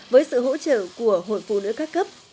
với sự hỗ trợ của hội phụ nữ các cấp